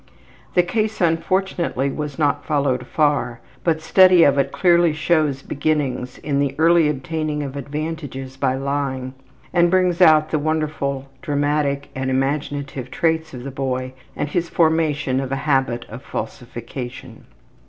The case unfortunately was not followed far, but study of it clearly shows beginnings in the early obtaining of advantages by lying, and brings out the wonderful dramatic and imaginative traits of the boy and his formation of a habit of falsification.